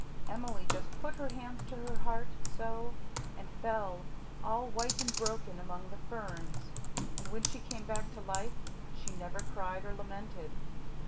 Emily just put her hands to her heart so and fell, all white and broken among the ferns. And when she came back to life she never cried or lamented.